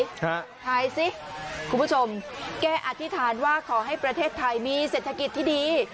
หายสิคุณผู้ชมแก้อธิษฐานว่าขอให้ประเทศไทยมีเศรษฐกิจที่ดี